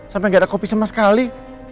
sampai gak ada kopi sama sekali